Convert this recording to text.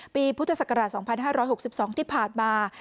ปีพุทธศักราช๒๕๖๒ที่ผ่านมา